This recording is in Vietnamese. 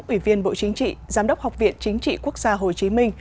ủy viên bộ chính trị giám đốc học viện chính trị quốc gia hồ chí minh